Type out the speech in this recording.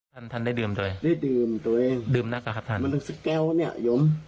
ท่านทั้งในเดิมเตยเดิมหน้ากันครับท่านหนึ่งสักแก๊วเนี่ยหยม